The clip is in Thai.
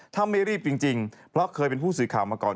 ถ้าไม่รีบจริงเพราะเคยเป็นผู้สื่อข่าวมาก่อน